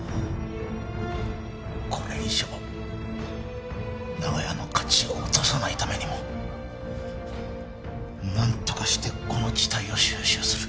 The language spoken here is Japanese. これ以上長屋の価値を落とさないためにもなんとかしてこの事態を収拾する。